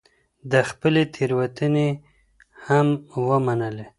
ده خپلې تېروتني هم ومنلې